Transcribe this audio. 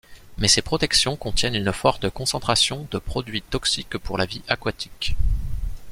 Mais ces protections contiennent une forte concentration de produits toxiques pour la vie aquatique.